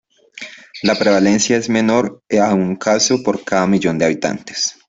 La prevalencia es menor a un caso por cada millón de habitantes.